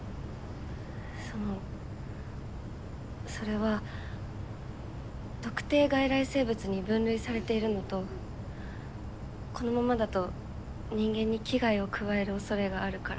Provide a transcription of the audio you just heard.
そのそれは特定外来生物に分類されているのとこのままだと人間に危害を加えるおそれがあるから。